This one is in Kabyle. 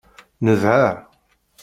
Nedɛa.